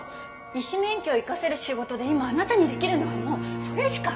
医師免許を生かせる仕事で今あなたに出来るのはもうそれしか。